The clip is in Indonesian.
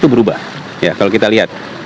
itu berubah ya kalau kita lihat